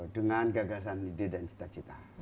dengan gagasan ide dan cita cita